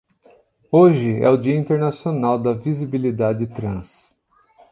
Hoje é o Dia Internacional da Visibilidade Trans